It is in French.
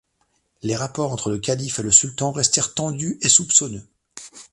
Les rapports entre le calife et le sultan restèrent tendus et soupçonneux.